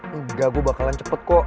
enggak gue bakalan cepet kok